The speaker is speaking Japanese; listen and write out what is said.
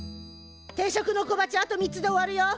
定食の小鉢あと３つで終わるよ！